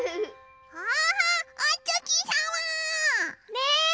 ねえ。